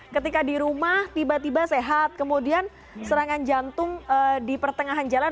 ketika di rumah tiba tiba sehat kemudian serangan jantung di pertengahan jalan